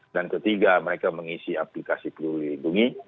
dan ketiga mereka mengisi aplikasi perlu dirindungi